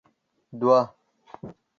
دوه